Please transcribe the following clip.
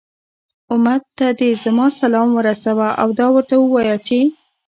أمت ته دي زما سلام ورسوه، او دا ورته ووايه چې